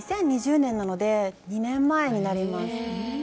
２０２０年なので２年前になります。